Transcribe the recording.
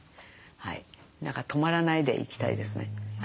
何か止まらないで行きたいですね。